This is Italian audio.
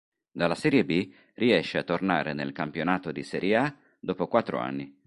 Dalla Serie B riesce a tornare nel campionato di Serie A dopo quattro anni.